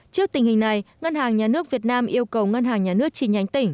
trước tình hình này ngân hàng nhà nước việt nam yêu cầu ngân hàng nhà nước chi nhánh tỉnh